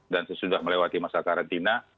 dan sesudah melewati masa karantina